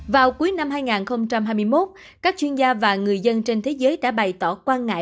vào cuối năm hai nghìn hai mươi một các chuyên gia và người dân trên thế giới đã bày tỏ quan ngại